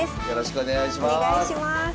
よろしくお願いします。